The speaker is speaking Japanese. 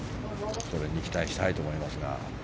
それに期待したいと思いますが。